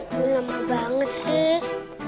lama banget sih